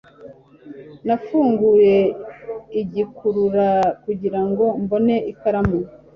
Nafunguye igikurura kugirango mbone ikaramu